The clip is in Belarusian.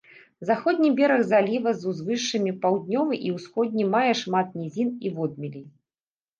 Заходні бераг заліва з узвышшамі, паўднёвы і ўсходні мае шмат нізін і водмелей.